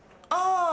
ああ。